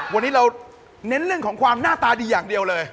วันนี้เราเน้นเรื่องของความหน้าตาดีอย่างเดียวเลย